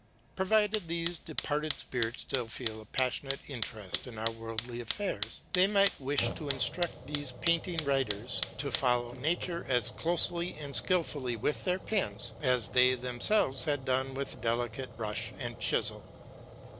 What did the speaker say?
Provided these departed spirits still feel a passionate interest in our worldly affairs, they might wish to instruct these painting writers to follow nature as closely and skillfully with their pens as they themselves had done with delicate brush or chisel.